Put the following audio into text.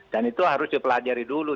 dan itu harus dipelajari dulu